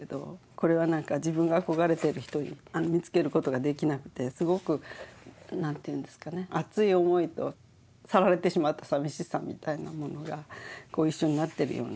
これは何か自分が憧れている人を見つける事ができなくてすごく何ていうんですかね熱い思いと去られてしまったさみしさみたいなものが一緒になってるような。